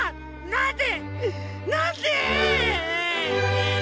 なんで！？